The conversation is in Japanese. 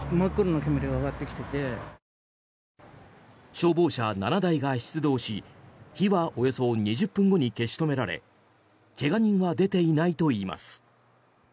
消防車７台が出動し火はおよそ２０分後に消し止められ怪我人は出ていないといいます。